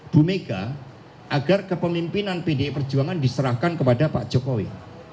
bu mega agar kepemimpinan pdi perjuangan diserahkan kepada pak jokowi